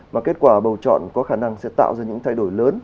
mà kết quả bầu chọn có khả năng sẽ tạo ra những thay đổi lớn